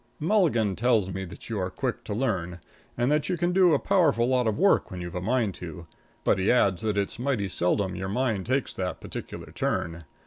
Milligan tells me that you are quick to learn, and that you can do a powerful lot of work when you've a mind to; but he adds that it's mighty seldom your mind takes that particular turn.